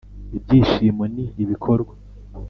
“ibyishimo ni ibikorwa.”